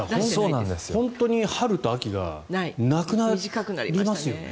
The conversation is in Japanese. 本当に春と秋がなくなりますよね。